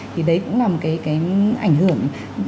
thì đấy cũng là một cái ảnh hưởng